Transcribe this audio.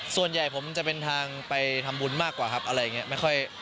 ส่วนใหญ่ผมจะเป็นทางไปทำบุญมากกว่าครับอะไรอย่างนี้ไม่ค่อย